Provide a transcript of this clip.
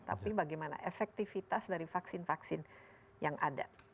tapi bagaimana efektivitas dari vaksin vaksin yang ada